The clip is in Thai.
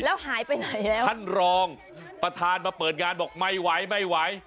แล้วหายไปไหนแล้วท่านรองประธานมาเปิดงานบอกไม่ไหวไม่ไหว